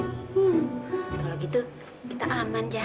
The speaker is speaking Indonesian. hmm kalau gitu kita aman ya